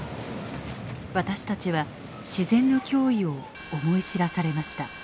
私たちは自然の驚異を思い知らされました。